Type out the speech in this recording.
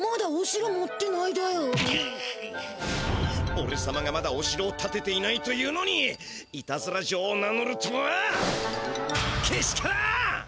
おれさまがまだお城をたてていないというのにいたずら城を名のるとはけしからん！